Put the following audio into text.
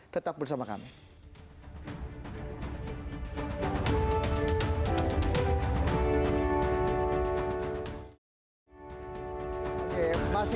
tetap bersama kami